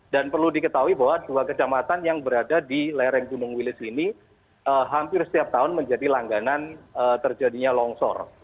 dan perlu diketahui bahwa dua kecamatan yang berada di lereng gunung wilis ini hampir setiap tahun menjadi langganan terjadinya longsor